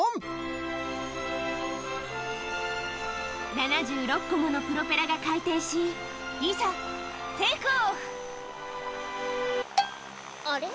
７６個ものプロペラが回転しいざあれ？